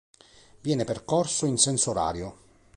Viene percorso in senso orario.